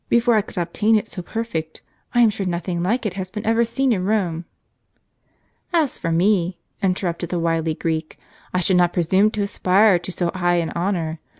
before I could obtain it so perfect : I am sure nothing like it has been ever seen in Rome." " As for me," interrupted the wily Greek, " I should not presume to aspire to so high an honor.